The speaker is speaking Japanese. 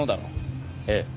ええ。